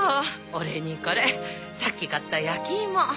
お礼にこれさっき買った焼きいも。